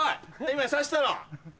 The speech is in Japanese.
今刺したろ？